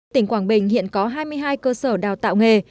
tỉnh quảng bình hiện có hai mươi hai cơ sở đào tạo nghề